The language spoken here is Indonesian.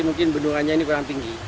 mungkin bendungannya ini kurang tinggi